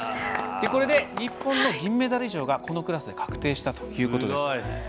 これで日本の銀メダル以上がこのクラスで確定したということです。